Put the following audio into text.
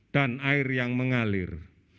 dan air yang mengalir